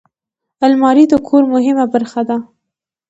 الماري د کور مهمه برخه ده